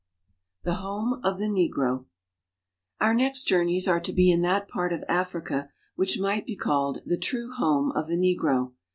THE HOME OF THE NEGRO OUR next journeys are to be in that part of Africa j which might be called the true home of the negro.